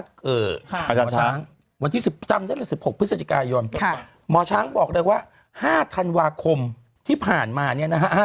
ถ้าเกิดวันที่๑๖พฤศจิกายนหมอช้างบอกเลยว่า๕ธันวาคมที่ผ่านมาเนี่ยนะฮะ